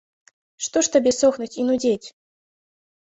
Што ж табе сохнуць і нудзець?